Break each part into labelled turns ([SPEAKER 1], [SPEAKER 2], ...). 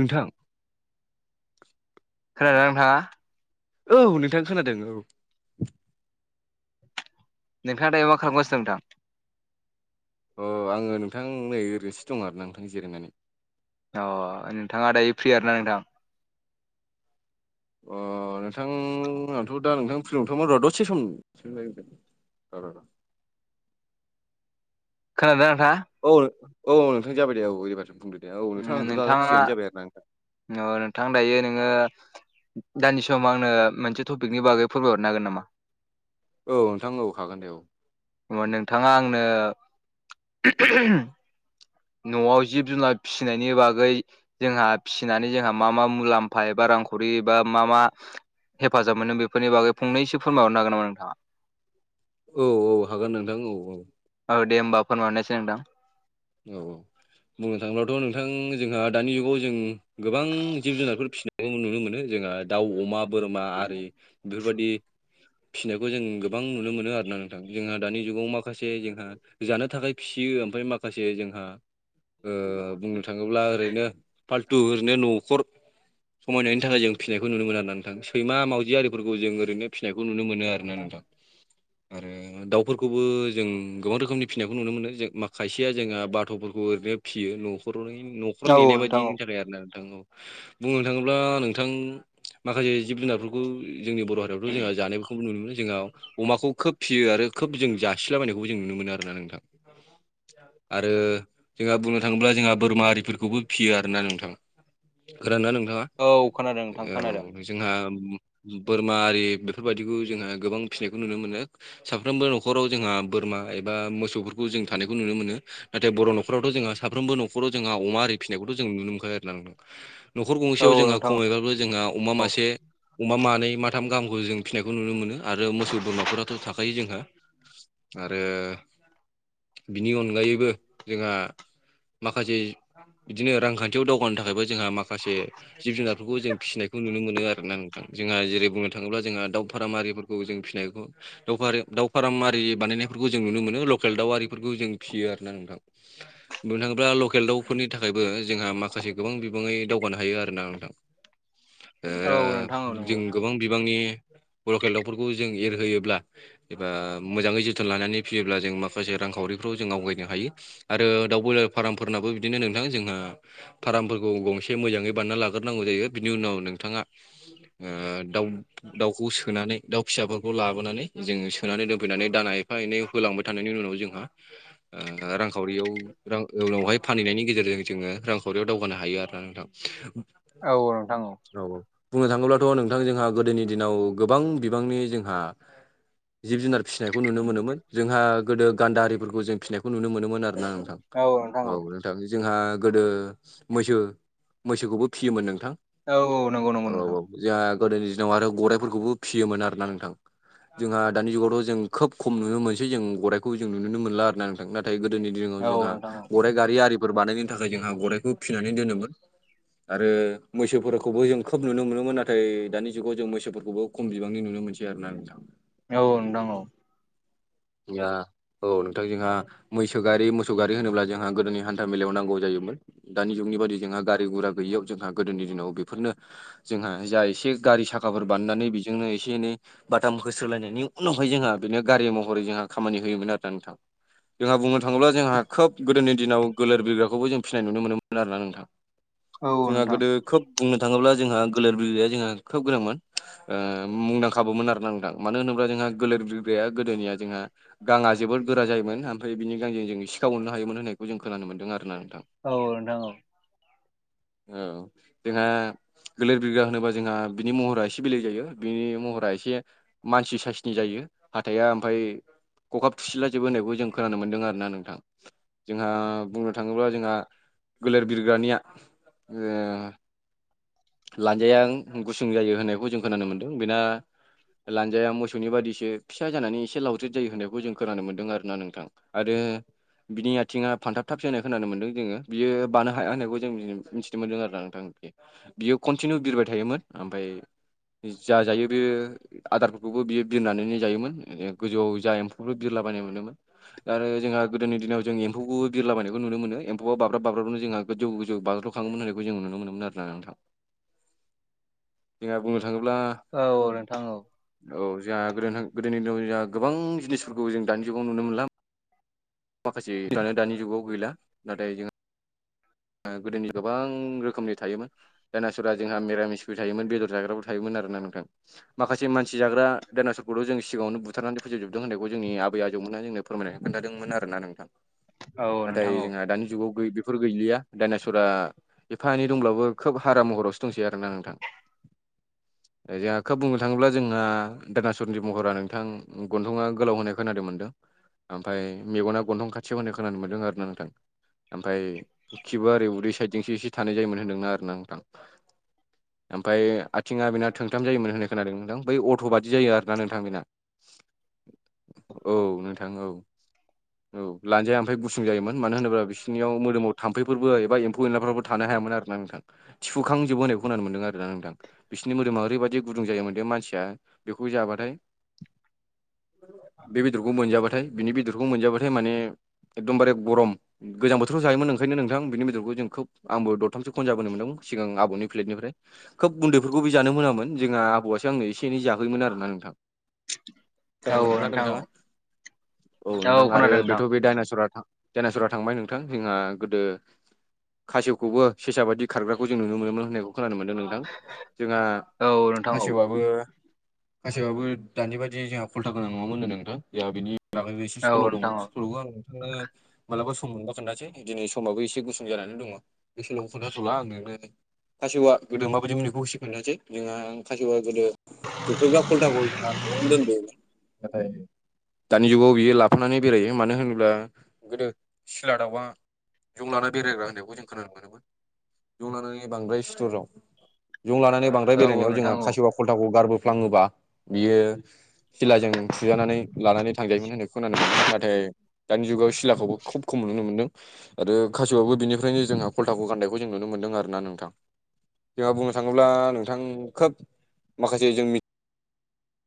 [SPEAKER 1] नोंथां
[SPEAKER 2] खोनादों ना नोंथाङा?
[SPEAKER 1] औ नोंथां खोनादों औ।
[SPEAKER 2] नोंथाङा दायो मा खालामगासिनो नोंथां?
[SPEAKER 1] अ आङो नोंथां नै ओरैनोसो दं आरो नोंथां जिरायनानै।
[SPEAKER 2] अ नोंथाङा दायो फ्रियार आरोना नोंथां?
[SPEAKER 1] अ नोंथां दा नोंथां फ्रि नथ'मोन र दसे सम [inaudible] [inaudible]
[SPEAKER 2] खोनादों ना नोंथाङा?
[SPEAKER 1] औ औ नोंथां जाबाय दे औ ओबारसो बुंदो दे औ नोंथां
[SPEAKER 2] उम
[SPEAKER 1] दा
[SPEAKER 2] नोंथाङा
[SPEAKER 1] फ्रियानो जाबाय आरो ना नोंथां।
[SPEAKER 2] अ नोंथां दायो नोङो दानि समाव आंनो मोनसे टपिकनि बागै फोरमायहरनो हागोन नामा?
[SPEAKER 1] औ नोंथां औ हागोन दे औ।
[SPEAKER 2] बा नोंथाङा आंनो [unintelligible] न'आव जिब जुनार फिसिनायनि बागै जोंहा फिसिनानै जोंहा मा मा मुलाम्फा एबा रांखरि बा मा मा हेफाजाब मोनो बेफोरनि बागै फंनैसो फोरमाय हरनो हागोन नामा नोंथाङा?
[SPEAKER 1] औ औ हागोन नोंथां औ औ।
[SPEAKER 2] औ दे होनोमबा फोरमायरनायसै नोंथां।
[SPEAKER 1] औ औ बुंनो थाङोबाथ' नोंथां जोंहा दानि जुगाव जों गोबां जिब जुनारफोर फिसिनो नुनो मोनो जोंहा दाउ अमा बोरमा आरि बेबादि फिसिनोबो जों गोबां नुनो मोनो आर ना नोंथां जोंहा दानि जुगाव माखासे जोंहा जानो थाखाय फिसियो ओमफ्राय माखासे जोंहा बुंनो थाङोब्ला ओरैनो - फाल्थु ओरनो न'खर समायनायनि थाखाय जों फिसिनायखौ नुनो मोन आर नोंथां सैमा मावजि आरिफोरखौ जों ओरैनो फिसिनायखौ नुनो मोनो आरो ना नोंथां। आरो दाउफोरखौबो जों गोबां रोखोमनि फिसिनायखौ नुनो मोनो जे माखा खायसेया जोंहा बाथ'फोरखौ ओरैनो फियो न'खरनि न'खर
[SPEAKER 2] औ
[SPEAKER 1] नेनाय
[SPEAKER 2] नोंथां औ
[SPEAKER 1] बाददिनि थाखाय आरो ना नोंथां औ। बुंनो थाङोब्ला नोंथां माखासे जिब जुनारफोर खौ जोंनि बर' हारियावथ' जोंहा जानायफोरखौबो नुनो मोनो जोंहा। अमाखौ खोब फिसियो आरो खोब जों जासिलाबायनायखौ जों नुनो मोनो आरोना नोंथां। [inaudible] आरो जोंहा बुंनो थाङोब्ला जोंहा बोरमा आरिफोरखौबो फियो आरोना नोंथाङा। खोनादोंना नोंथाङा
[SPEAKER 2] औ खोनादों नोंथां
[SPEAKER 1] औ।
[SPEAKER 2] खोनादों।
[SPEAKER 1] जोंहा बोरमा आरि बेफोरबायदिखौ जोंहा गोबां फिसिनायखौ नुनो मोनो। साफ्रोमबो न'खराव जोंहा बोरमा एबा मोसौफोरखौ जों थानायखौ नुनो मोनो। नाथाय बर' न'खरावथ' जोंहा साफ्रोमबो न'खराव जोंहा अमा आरिनायखौथ' जों नुनो मोनखायो आरो ना नोंथां। न'खर
[SPEAKER 2] औ
[SPEAKER 1] गंसेयाव जोंहा
[SPEAKER 2] नोंथां
[SPEAKER 1] खमावबाबो जोंहा अमा मासे अमा मानै माथाम गाहामखौ जों फिसिनायखौ नुनो मोनो आरो मोसौ बोरमाफोराथ' थाखायो जोंहा। आरो बिनि अनगायैबो जोंहा माखासे बिदिनो रांखान्थियाव दावगानो थाखायबो जोंहा माखासे जिब जुनारफोरखौ जों फिसिनाय बेखौ नुनो मोनो आर ना नोंथां जोंहा जेरै बुंनो थाङोब्ला जोंहा दाउ फाराम आरिफोरखौ जों फिनायखौ दाउ दाउ फाराम आरि बानायनायफोरखौ जों नुनो मोनो लकेल दाउ आरिफोरखौ जों फिसियो आर ना नोंथां। [inaudible] मोनोबा लकेल दाउफोरनि थाखायबो जोंहा माखासे गोबां बिबङै दावगानो हायो आरोना नोंथां।
[SPEAKER 2] औ नोंथां औ
[SPEAKER 1] ओ जों
[SPEAKER 2] नंगौ
[SPEAKER 1] गोबां बिबांनि लकेल दाउफोरखौ जों एरहोयोब्ला एबा मोजाङै जोथोन लानानै फियोब्ला जों माखासे रां सावरिफ्राव जों आवगायनो हायो आरो दाउ ब्रयलार फार्मफोरनाबो बिदिनो नोंथां जोंहा फार्मफोरखौ गंसे मोजाङै बानायना लाग्रोनांगौ जायो बिनि उनाव नोंथाङा ओ दाउ दाउखौ सोनानै दाउ फिसाफोरखौ लाबोनानै जोङो सोनानै दोनफैनानै दाना एफा एनै होलांबाय थानायनि उनाव जोंहा ओ रांखावरियाव उनावहाय फानहैनायनि गेजेरजों जोङो रां खावरियाव दावगानो हायो आरोना नोंथां
[SPEAKER 2] औ नोंथां औ
[SPEAKER 1] औ औ बुंनो थाङोब्लाथ' नोंथां जोंहा गोदोनि दिनाव गोबां बिबांनि जोंहा जिब जुनार फिसिनायखौ नुनो मोनोमोन जोंहा गोदो गान्दा आरि फोरखौ जों फिसिनायखौ नुनो मोनोमोन आरोना नोंथां
[SPEAKER 2] औ नोंथां
[SPEAKER 1] औ नोंथां जोंहा गोदो मैसो मैसोखौबो फियोमोन नोंथां।
[SPEAKER 2] औ औ नंगौ नंगौ नोंथां
[SPEAKER 1] जोहा गोदोनि दिनाव आरो गराइफोरखौबो फियोमोन आरो ना नोंथां। जोंहा दानि जुगावथ' जों खोब खम नुनो मोनसै जों गराइखौ जों नुनो मोनला थां नाथाय गोदोनि दिनाव
[SPEAKER 2] औ
[SPEAKER 1] जोंहा
[SPEAKER 2] नोंथां औ
[SPEAKER 1] गराय गारि आरिफोर बानायनो थाखाय जोंहा गराइखौ फिनानै दोनोमोन। आरो मैसोफोरखौबो जों खोब नुनो मोनोमोन नाथाय दानि जुगाव जों मैसोफोरखौबो खम बिबांनि नुनो मोनसै। आरो ना नोंथां
[SPEAKER 2] औ नोंथां औ
[SPEAKER 1] [unintelligible] नाथाय जोंहा मैसो गारि मोसौ गारि होनोब्ला जोंहा गोदोनि हान्था मेलायाव नांगौ जायोमोन। दानि जुगनि बायदि जोंहा गारि गुरा गैयियाव जोंहा गोदोनि दिनाव बेफोरनो जोंहा जा एसे गारि साखाफोर बाननानै बेजोंनो एसे एनै बाथाम होस्रोलायनायनि उनावहाय जोंहा बेनो गारि महरै जोंहा खामानि होयोमोन आरो ना नोंथां। जोंहा बुंनो थाङोब्ला जोंहा खोब गोदोनि दिनाव गोलोर बिग्राखौबो जों फिसिनाय नुनो मोनोमोन आरोना नोंथां।
[SPEAKER 2] औ
[SPEAKER 1] जोंहा
[SPEAKER 2] नोंथां
[SPEAKER 1] गोदो खोब बुंनो थाङोब्ला जोंहा गोलोर बिग्राया जोंहा खोब गोनांमोन। ओ मुंदांखाबोमोन आरोना नोंथां मानो होनोब्ला जोंहा गोलोर बिरगाया गोदोनिया जोंहा गाङा जोबोद गोरा जायोमोन ओमफ्राय बिनि गांजों जों सिखा हरनो हायोमोन होननायखौ जों खोनानो मोनदों आरोना नोंथां।
[SPEAKER 2] औ नोंथां औ
[SPEAKER 1] औ जोंहा गोलोर बिग्रा होनोबा जोंहा बिनि महरा एसे बेलेग जायो बिनि महरा एसे मानसि साइसनि जायो हाथाया ओमफ्राय खखाब थुसिलायो जोबो होनायखौ जों खोनानो मोन्दों आरो ना नोंथां जोंहा बुंनो थाङोब्ला जोंहा गोलेर बिरग्रानिया ओ लानजाया गुसुं जायो होननायखौ जों खोनानो मोनदों बेना लानजाया मोसौनि बादिसो फिसा जानानै एसे लावदेद जायो होननायखौ जों खोनानो मोनदों आरोना नोंथाङा। आरो बिनि आथिङा फानथाब थाब होनाय खोनानो मोन्दों जोङो। बियो बानो हाया होननायखौ जों मिथिनो मोनदों आरोना नोंथां बियो कन्टिनिउ बिरबाय थायोमोन ओमफाय जा जायो बेयो आदारफोरखौबो बियो बिरनानै जायोमोन गोजौ जा एम्फौखौबो बिरलाबायोमोन। आरो जोंहा गोदोनि दिनाव जों एम्फौखौबो बिरला बायनायखौ नुनो मोनोमोन एम्फौआ बाब्राब बाब्राबनो जोंहा गोजौ गोजौ बाजल' खाङोमोन होननायखौ जों नुनो मोनोमोन आरोना नोंथां। जोंहा बुंनो थाङोब्ला
[SPEAKER 2] औ नोंथां औ
[SPEAKER 1] औ जोंहा गोदो गोदोनि दिनाव जोंहा गोबां जिनिसफोरखौ जों दानि जुगाव नुनो मोनला माखासेनो दानि जुगाव गैला नाथाय जों गोदोनि गोबां रोखोमनि थायोमोन। दानासुरा जोंहा मिरामिसबो थायोन बेदर जाग्राबो थायोमोन आरोना नोंथां। माखासे मानसि जाग्रा दायनासरफोरखौ' जों सिगाङावनो बुथारनानै फोजोबजोबदों होननायखौ जोंनि आबै आजौमोनहा जोंनो फोरमायनो खोन्थादोंमोन आरोना नोंथां
[SPEAKER 2] औ
[SPEAKER 1] नाथाय
[SPEAKER 2] नोंथां औ
[SPEAKER 1] जोंहा दानि जुगाव बेफोर गैलिया। दाइनास्वरा एफा एनै दंब्लाबो खोब हारा महरावसो दंसै आरोना नोंथां। [inaudible] जोंहा खोब बुंनो थाङोब्ला जोंहा दायनाचरज महरा नोंथां गन्थंआ गोलाव होनाय खोनानो मोनदों। ओमफ्राय मेगना गन्थं खाथियाव होननाय खोनानो मोनदों आरोना नोंथां ओमफ्राय खिबुआ ओरै उदै साइडजोंसो एसे थानाय जायोमोन होन्दोंना आरोना नोंथां। ओमफ्राय आथिंआ बेना थोंथाम जायोमोन होननाय खोनादों नोंथां बै अट' बादि जायो आरोना नोंथां बेना। औ नोंथां औ। औ लान्जाया ओमफ्राय गुसुं जायोमोन मानो होनोब्ला बिसोरनियाव मोदोमाव थाम्फैफोरबो एबा एम्फौ एनलाफोरबो थानो हायामोन आरोना नोंथां थिफुखांजोबबो होनायखौ खोनानो मोन्दों आरोना नोंथां। बिसोरनि मोदोमा ओरैबायदि गुदुं जायोमोन बे मानसिया बेखौ जाबाथाय बे बेदरखौ मोनजाबाथाय बिनि बेदरखौ मोनजाबाथाय माने एकदम बारे गरम गोजां बोथोराव' जायोमोन ओं। नोंथां बिनि बेदरखौ जों खोब आंबो दरथामसो खनजाबोनो मोनदों सिगां आबौनि प्लेटनिफ्राय। खोब उन्दैफोरखौ बि जानो मोनामोन जोंहा आबौआसो आंनो एसे एनै जाहयमोन आरोना नोंथां। खोनानो
[SPEAKER 2] औ
[SPEAKER 1] मोनदोंना
[SPEAKER 2] नोंथां औ
[SPEAKER 1] नोंथांआ? औ नोंथां आरो
[SPEAKER 2] खोनादों नोंथां
[SPEAKER 1] बेथ' बे दाइनाचरा दाइनाचरा थांबाय नोंथां जोंहा गोदो खासेवखौबो सेसा बायदि खारग्राखौ जों नुनो मोनोमोन होननायखौ खोनानो मोनदों नोंथां। जोंहा
[SPEAKER 2] औ नोंथां औ
[SPEAKER 1] खासेवाबो खासेवाबो दानि बादि जोंहा खल्टा गोनां नङामोनो नोंथां जोंहा बिनि दाबोबे एसे
[SPEAKER 2] औ
[SPEAKER 1] सल दङ
[SPEAKER 2] नोंथां औ
[SPEAKER 1] सलखो आं नोंथांनो मालाबा सम मोनबा खोन्थानोसै। दिनै समाबो एसे गुसुं जानानै दङ बे सलखो खोन्थाथ'ला आं नोंनो। खासेवा गोदो माबायदिमोन बेखौ एसे खोनथानोसै जोंहा ओं खासेव गोदो [unintelligible] दानि जुगाव बियो लाबोनानै बेरायो मानो होनोब्ला गोदो सिला दाउआ जं लाना बेरायग्रा होननायखौ जों खोनानो मोनोमोन। जं लानानै बांद्राय सिथर दं ज लानानै बांद्राय
[SPEAKER 2] औ औ
[SPEAKER 1] बेरायनायाव जोंहा
[SPEAKER 2] नोंथां औ
[SPEAKER 1] खासेवा खलथाखौ गारबो फ्लांङोबा बियो सिलाजों थुजानानै लानानै थांजायोमोन होननाय खोनानो मोन्दों नाथाय दानि जुगाव सिलाखौबो खुब खम नुनो मोन्दों। आरो खासेयावबो बिनिफ्रायनो जोंहा कल्थाखौ गान्नायखौ जों नुनो मोनदों आरोना नोंथां। जोंहा बुंनो थाङोब्ला नोंथां खोब माखासे जों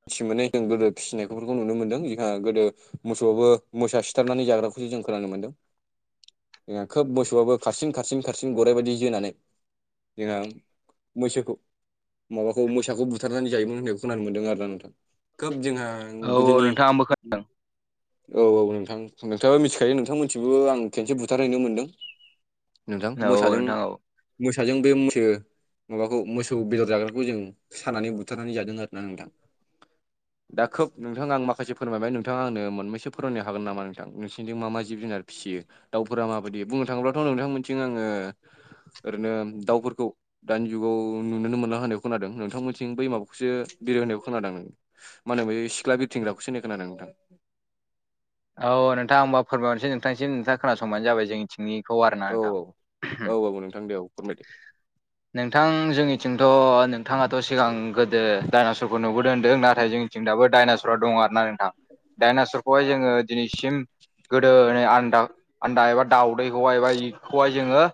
[SPEAKER 1] फिसि मोननाय जों गोदो फिसिनायफोरखौ नुनो मोन्दों जोंहा गोदो मोसौआबो मोसा सिथारनानै जाग्राखौसो जों खोनानो मोन्दों। जोंहा खोब मोसौआबो खारसिन खारसिन खारसिन गराइबायदि जोनानै जोंहा मैसोखौ माबाखौ मोसाखौ बुथारनानै जायोमोन होननायखौ खोनानो मोनदों आरोना नोंथां खोब जोंहा
[SPEAKER 2] औ औ
[SPEAKER 1] गोदोनि
[SPEAKER 2] नोंथां आंबो
[SPEAKER 1] औ औ नोंथां नोंथाङा मिथिखायो नोंथां मिथि ओ आं खेबसे बुथारहैनो मोनदों नोंथां
[SPEAKER 2] औ
[SPEAKER 1] मोसाजों
[SPEAKER 2] नोंथां औ
[SPEAKER 1] मोसाजों बे मैसो माबाखौ मोसौ बेदर जाग्राखौ जों सानानै बुथारनानै जादों आरोना नोंथां। दा खोब नोंथांआं माखासे फोरमायबाय नोंथाङा आंनो मोननसो फोरमायनो हागोन नामा नोंथां नोंसिनिजों मा जिब जुनार फिसियो दाउफोरा माबायदि बुंनो थाङोब्लाथ' नोंथांमोनथिं आंङो ओरैनो दाउफोरखौ दानि जुगाव नुोननो मोनला होनायखौ खोनादों नोंथांमोनथिं बै माबाखौसो बिरो होना खोनादों। मा होनो बे सिख्ला बिरथिंग्राखौसो खोनादों नोंथां।
[SPEAKER 2] औ नोंथाङां होमबा फोरमायनोसै नोंथांसिम नोंथा खोनासंबानो जाबाय जोंनि थिंनिखौ आरो ना
[SPEAKER 1] औ औ
[SPEAKER 2] नोंथां।
[SPEAKER 1] औ औ नोंथां दे औ फोरमायदो
[SPEAKER 2] नोंथां जोंनिथिंथ' नोंथाङाथ' सिगां गोदो दडाइनसरखौ नुबोदों होन्दों नाथाय जों जों दाबो डायनासरा दङ आरो ना नोंथां डाइनासरखौहाय जोंङो दिनैसिम गोदोनि आदा आदा एबा दाउदैखौहाय एबा बेखौहाय जोंङो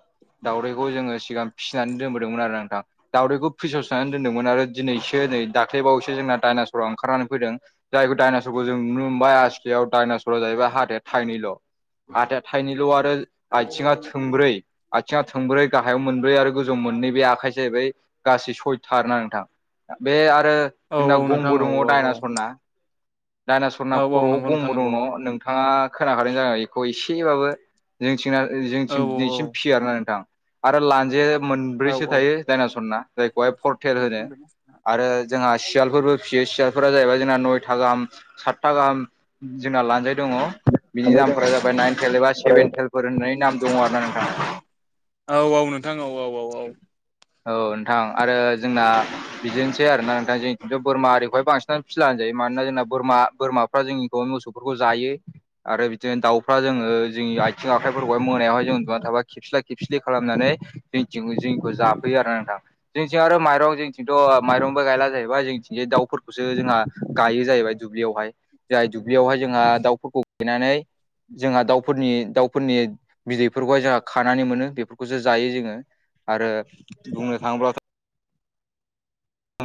[SPEAKER 2] दावउदैखौ जोंङो सिगां फिसिनानै दोनबोदोंमोन आरो नोंथां। दावदैखौ फिसावसानै दोन्दोंमोन आरो दिनैसो नै दाख्लैबावैसो जोंना दडाइनासराव ओंखारनानै फैदों। जायखौ दायनास सरखौ जों नुनो मोनबाय [unintelligible] डाइनासरा जाहैबाय हाथाया थाइनैल' हाथाया थाइनैल' आरो आथिङा थोंब्रै आथिङा थोंब्रै गाहायाव मोनब्रै आरो गोजौआव मोननै बे आखाइया जाहैबाय गासै सयथा आरो ना नोंथां बे आरो
[SPEAKER 1] औ
[SPEAKER 2] जोंना
[SPEAKER 1] औ नोंथां
[SPEAKER 2] गंबो
[SPEAKER 1] औ
[SPEAKER 2] दङ
[SPEAKER 1] औ औ
[SPEAKER 2] दायनासरना दायना सरना
[SPEAKER 1] औ औ
[SPEAKER 2] खर'आव
[SPEAKER 1] नंगौ नोंथां
[SPEAKER 2] गंबो दं
[SPEAKER 1] नंगौ
[SPEAKER 2] न' नोंथाङा खोनाखादों जानो हागौ एखौ एसेबाबो जोंनिथिंना
[SPEAKER 1] औ
[SPEAKER 2] जोंनिथिं दिनैसिम फियो आरोना नोंथां आरो लान्जाया
[SPEAKER 1] औ
[SPEAKER 2] मोनब्रैसो
[SPEAKER 1] औ
[SPEAKER 2] थायो दायनासरना जायखौहाय पर्टेल होनो आरो जोंहा सियालफोरबो फियो सियालफोरा जाहैबाय जोंना नयथा गाहाम सातथा गाहाम जोंना लानजाय दङ बिनि नामफोरा जाबाय नाइन थेल एबा सेभेन थेलफोर होननानै नाम दङ आरो ना नोंथां
[SPEAKER 1] औ औ नोंथां औ औ औ औ
[SPEAKER 2] औ नोंथां आरो जोंना बिदिनोसै आरोना नोंथां जों खिन्थु बोरमा आरिखौहाय बांसिनानो फिला होनजायो मानोना जोंना बोरमा बोराफ्रा जोंनिखौ मोसौ बेफोरखौ जायो आरो बिदिनो दाउफ्रा जोङो जोंनि आथिं आखाइफोरखौहाय मोनायावहाय जों उनदुना थाबा खे खेबस्ला खेबस्लि खालामनानै [unintelligible] होयो आरोना नोंथां जोंथिं आरो माइरं जोंथिंथ' माइरंबो गायला जाहैबाय जोंनिथिंजाय दाउफोर खौसो जोंहा गायो जाहैबाय दुब्लियावहाय जाय दुब्लियावहाय जोंहा दाउफोरखौ गायनानै जोंहा दाउफोरनि दाउफोरनि बिदैफोरखौहाय जोंहा खानानै मोनो बेफो खौसो जायो जोङो आरो बुंनो थाङोब्लाथ'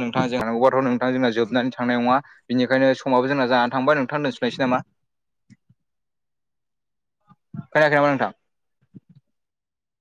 [SPEAKER 2] नोंथां जोंहा [unintelligible] नोंथा जोंना जोबनानै थांनाय नङा। बिनिखायनो समाबो जोंना जानानै थांबाय नोंथां दोनथ'नायसै नामा
[SPEAKER 1] [inaudible]
[SPEAKER 2] खोनायाखै नामा नोंथां?